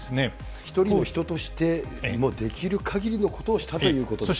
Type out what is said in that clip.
一人の人として、もうできるかぎりのことをしたということですよね。